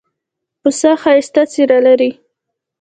پسه ښایسته څېره لري.